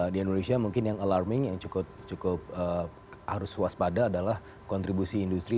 di indonesia mungkin yang alarming yang cukup harus waspada adalah kontribusi industri